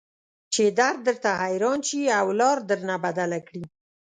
چې درد درته حيران شي او لار درنه بدله کړي.